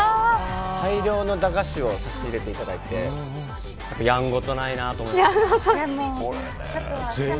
大量の駄菓子を差し入れていただいてやんごとないなと思いました。